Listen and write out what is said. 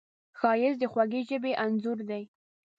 ښایست د خوږې ژبې انځور دی